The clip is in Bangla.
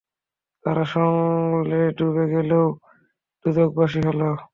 তারা সকলে ডুবে গেল ও দোযখবাসী হল।